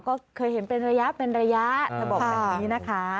ก็เคยเห็นเป็นระยะถ้าบอกแบบนี้นะคะ